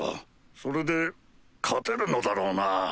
それで勝てるのだろうな？